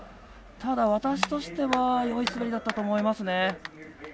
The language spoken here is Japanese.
ただ、私としてはよい滑りだったと思います。